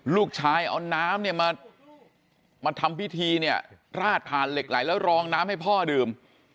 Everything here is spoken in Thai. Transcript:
ลูกชายเอาน้ำเนี่ยมาทำพิธีเนี่ยราดผ่านเหล็กไหลแล้วรองน้ำให้พ่อดื่ม